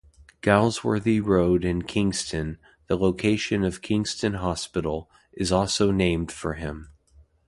Galsworthy Road in Kingston, the location of Kingston Hospital, is also named for him.